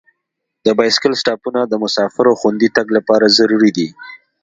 د بایسکل سټاپونه د مسافرو خوندي تګ لپاره ضروري دي.